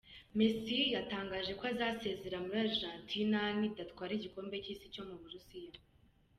Messi yatangaje ko azasezera muri Argentina nidatwara igikombe cy’isi cyo mu Burusiya.